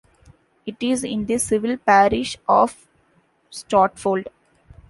It is in the civil parish of Stotfold.